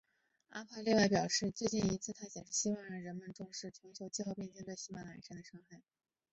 阿帕另外表示最近一次探险是希望让人们重视全球气候变迁对喜玛拉雅山的伤害。